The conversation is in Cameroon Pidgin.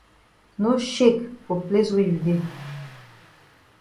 No shake for place wey you dey.